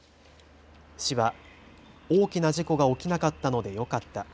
市は大きな事故が起きなかったのでよかった。